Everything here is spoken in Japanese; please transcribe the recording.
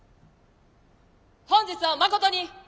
本日はまことに。